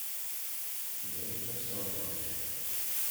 "The Age of Stonehenge".